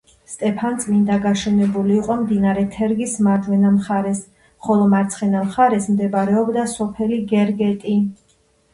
სტეფანწმინდა გაშენებული იყო მდინარე თერგის მარჯვენა მხარეს, ხოლო მარცხენა მხარეს მდებარეობდა სოფელი გერგეტი.